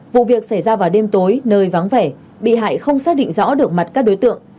vụ việc xảy ra vào đêm tối nơi vắng vẻ bị hại không xác định rõ được mặt các đối tượng